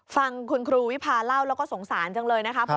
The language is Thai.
ฟังคุณครูวิพาเล่าแล้วก็สงสารจังเลยนะครับ